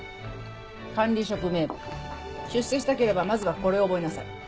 管理職名簿出世したければまずはこれ覚えなさい。